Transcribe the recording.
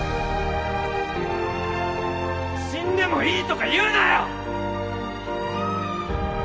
死んでもいいとか言うなよ！